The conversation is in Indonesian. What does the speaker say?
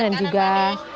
dan juga mohaimin iskandar